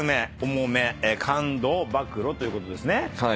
重め感動暴露ということですね。